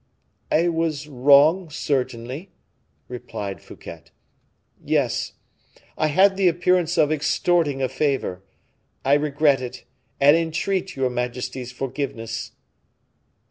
"I was wrong, certainly," replied Fouquet. "Yes, I had the appearance of extorting a favor; I regret it, and entreat your majesty's forgiveness."